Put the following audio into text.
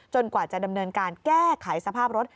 กว่าจะดำเนินการแก้ไขสภาพรถ